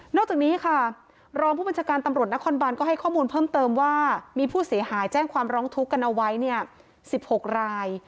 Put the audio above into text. จากนี้ค่ะรองผู้บัญชาการตำรวจนครบานก็ให้ข้อมูลเพิ่มเติมว่ามีผู้เสียหายแจ้งความร้องทุกข์กันเอาไว้เนี่ย๑๖ราย